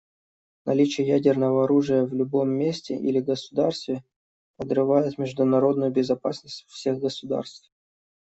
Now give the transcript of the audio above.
Наличие ядерного оружия в любом месте или государстве подрывает международную безопасность всех государств.